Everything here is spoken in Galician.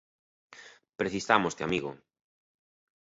Precisámoste, amigo.